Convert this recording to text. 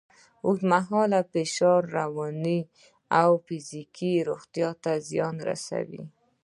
اوږدمهاله فشار رواني او فزیکي روغتیا ته زیان رسوي.